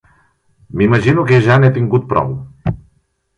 M'imagino que ja n'he tingut prou.